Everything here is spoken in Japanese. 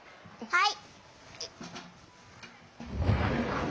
はい。